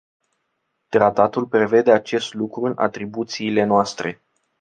Tratatul prevede acest lucru în atribuțiile noastre.